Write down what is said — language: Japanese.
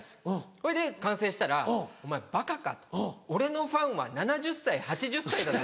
それで完成したら「お前バカか俺のファンは７０歳８０歳だぞ。